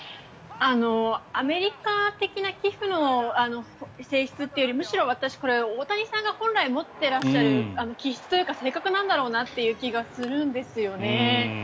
アメリカ的な寄付の性質というよりむしろ私、これ大谷さんが本来持っている気質というか性格なんだろうなという気がするんですよね。